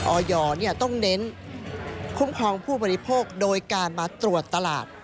ออยต้องเน้นคุ้มครองผู้บริโภคโดยการมาตรวจตลาด